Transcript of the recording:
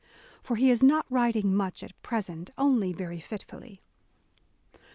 For he is not writing much at present ; only very fitfully.